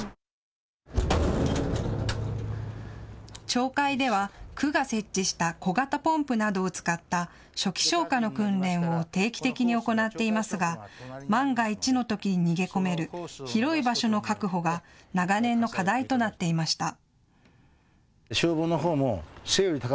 町会では区が設置した小型ポンプなどを使った初期消火の訓練を定期的に行っていますが万が一のときに逃げ込める広い場所の確保が長年の課題となっていました。